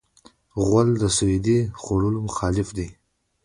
غول د سودي خوړو مخالف دی.